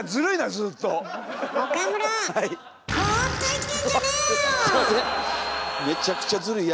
すいません！